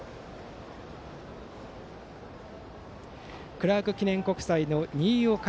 クラーク記念国際の新岡。